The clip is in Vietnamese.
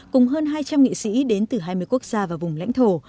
cùng hơn hai trăm linh nghị sĩ đến từ hai mươi quốc gia và vùng lãnh thổ